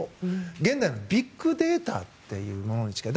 現代のビッグデータというものに近い。